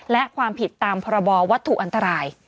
และความผิดตามพรบวัตถุอันตราย